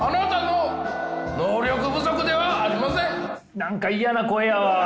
何か嫌な声やわ。